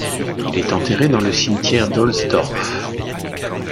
Il est enterré dans le cimetière d'Ohlsdorf.